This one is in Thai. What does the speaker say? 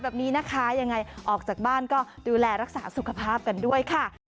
แบบนี้นะคะยังไงออกจากบ้านก็ดูแลรักษาสุขภาพกันด้วยค่ะ